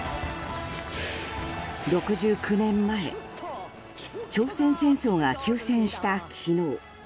６９年前朝鮮戦争が休戦した昨日。